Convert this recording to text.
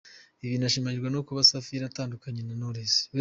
Ibi binashimangirwa no kuba Safi yaratandukanye na Knowless.